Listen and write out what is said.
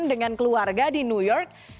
dengan keluarga di new york